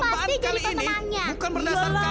tapi kali ini bukan berdasarkan